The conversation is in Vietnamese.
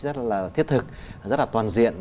rất là thiết thực rất là toàn diện